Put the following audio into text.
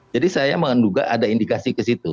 jadi saya menduga ada indikasi ke situ